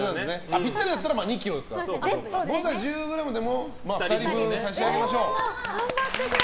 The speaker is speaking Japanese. ぴったりなら２ｋｇですから誤差１０ｇでも２人分差し上げましょう。